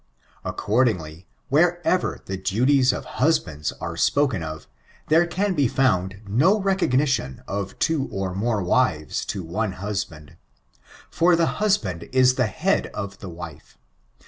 Accordingly, wherever the duties of husbands are spoken of, there can be found no recognition of two or more wives to one husband, "for the husband is the head of Mf wife.